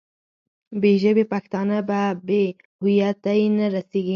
بې ژبې پښتانه به بې هویتۍ ته رسېږي.